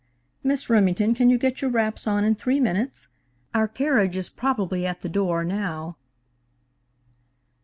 Miss Remington, can you get your wraps on in three minutes? Our carriage is probably at the door now."